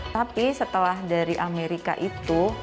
tapi setelah dari amerika itu